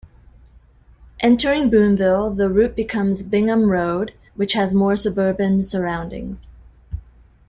Entering Boonville, the route becomes Bingham Road, which has more suburban surroundings.